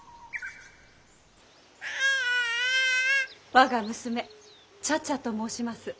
我が娘茶々と申します。